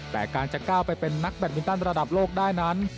แต่การจะก้าวไปเป็นนักแบตมินตันระดับโลกได้นั้น